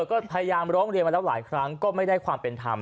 ก็พยายามร้องเรียนมาแล้วหลายครั้งก็ไม่ได้ความเป็นธรรม